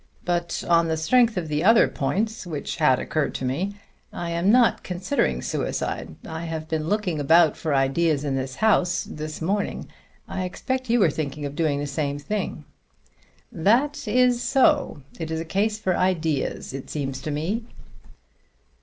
But on the strength of the other points, which had occurred to me, I am not considering suicide. I have been looking about for ideas in this house, this morning. I expect you were thinking of doing the same." "That is so. It is a case for ideas, it seems to me.